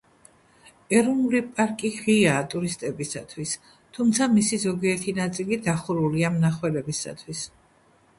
ეროვნული პარკი ღიაა ტურისტებისათვის, თუმცა მისი ზოგიერთი ნაწილი დახურულია მნახველებისათვის.